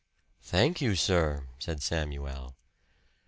"Thank you, sir," said Samuel.